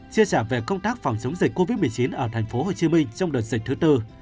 chia sẻ về công tác phòng chống dịch covid một mươi chín ở tp hcm trong đợt dịch thứ tư